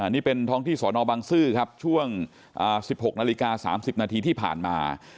นี่เป็นท้องที่สอนอบังซื้อครับช่วง๑๖นาฬิกา๓๐นาทีที่ผ่านมา